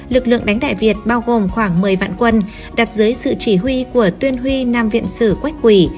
lực lượng đánh đại việt bao gồm khoảng một mươi vạn quân đặt dưới sự chỉ huy của tuyên huy nam viện sử quách quỳ